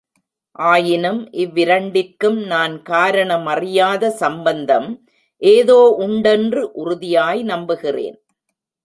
ஆயினும் இவ்விரண்டிற்கும் நான் காரணமறியாத சம்பந்தம் ஏதோ உண்டென்று உறுதியாய் நம்புகிறேன்.